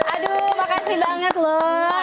aduu makasih banget loh